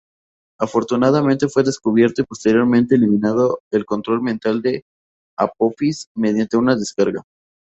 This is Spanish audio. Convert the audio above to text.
Afortunadamente fue descubierto y posteriormente eliminado el control mental de Apophis mediante una descarga.